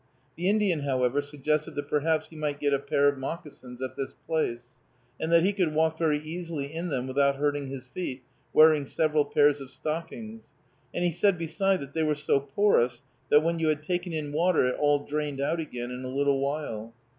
The Indian, however, suggested that perhaps he might get a pair of moccasins at this place, and that he could walk very easily in them without hurting his feet, wearing several pairs of stockings, and he said beside that they were so porous that when you had taken in water it all drained out again in a little while.